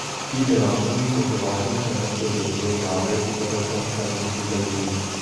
کی درامدی متبادل صنعت کے ذریعے ڈالر کی قدر کم کرنے کی تجویز